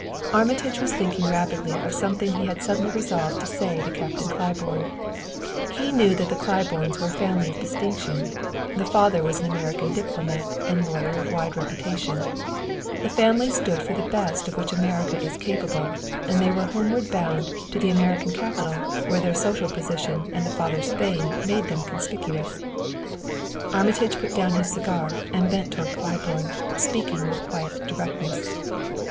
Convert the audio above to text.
Armitage was thinking rapidly of something he had suddenly resolved to say to Captain Claiborne. He knew that the Claibornes were a family of distinction; the father was an American diplomat and lawyer of wide reputation; the family stood for the best of which America is capable, and they were homeward bound to the American capital where their social position and the father's fame made them conspicuous. Armitage put down his cigar and bent toward Claiborne, speaking with quiet directness.